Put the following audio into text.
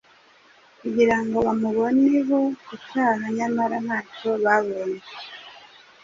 kugira ngo bamuboneho icyaha nyamara ntacyo babonye.